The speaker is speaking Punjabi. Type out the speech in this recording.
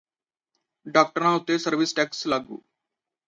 ਡਾਕਟਰਾਂ ਉੱਤੇ ਸਰਵਿਸ ਟੈਕਸ ਲਾਗੂ